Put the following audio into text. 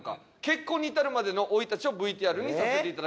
結婚に至るまでの生い立ちをＶＴＲにさせて頂きました。